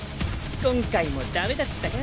今回も駄目だったか。